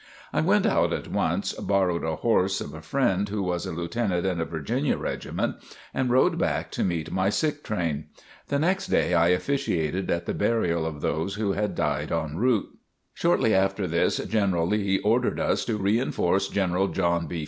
I went out at once, borrowed a horse of a friend who was a Lieutenant in a Virginia Regiment, and rode back to meet my sick train. The next day I officiated at the burial of those who had died en route. Shortly after this, General Lee ordered us to reinforce General John B.